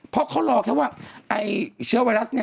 เพราะเขารอแค่ว่าไอ้เชื้อไวรัสเนี่ย